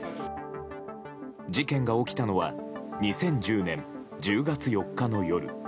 事件が起きたのは２０１０年１０月４日の夜。